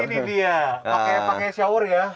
ini dia pakai shower ya